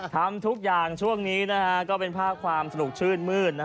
ทำทุกอย่างช่วงนี้ก็เป็นภาพความสนุกชื่นมืด